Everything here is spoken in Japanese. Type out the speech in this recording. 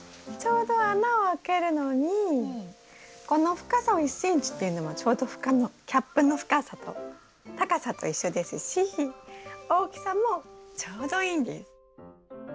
ちょうど穴を開けるのにこの深さを１ｃｍっていうのもちょうどキャップの深さと高さと一緒ですし大きさもちょうどいいんです。